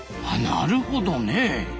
あなるほどねえ。